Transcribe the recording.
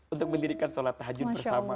untuk mendirikan sholat tahajud bersama